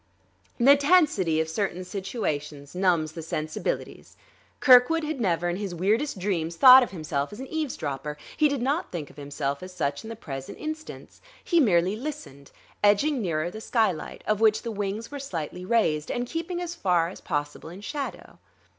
The tensity of certain situations numbs the sensibilities. Kirkwood had never in his weirdest dreams thought of himself as an eavesdropper; he did not think of himself as such in the present instance; he merely listened, edging nearer the skylight, of which the wings were slightly raised, and keeping as far as possible in shadow.